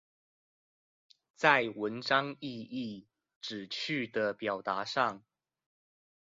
在文章意義、旨趣的表達上